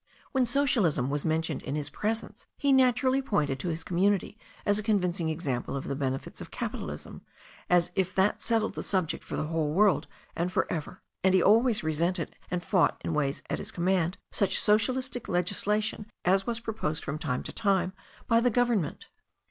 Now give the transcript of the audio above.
When socialism was mentioned in his presence he naturally pointed to his com munity as a convincing example of the benefits of capital ism, as if that settled the subject for the whole world and for ever, and he always resented and fought in ways at his command such socialistic legislation as was proposed from time to time by the Government.